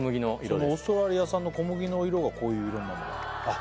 そのオーストラリア産の小麦の色がこういう色になるんだあっ